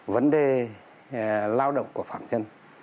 vấn đề lao động của phạm nhân